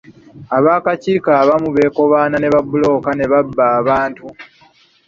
Ab'akakiiko abamu beekobaana ne babbulooka ne babba abantu.